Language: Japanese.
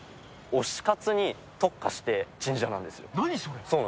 推し活に特化してる神社なん何それ？